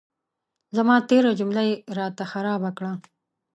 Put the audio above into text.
زما تېره جمله یې را ته خرابه کړه.